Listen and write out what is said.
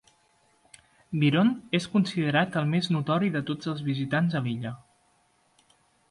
Byron és considerat el més notori de tots els visitants a l'illa.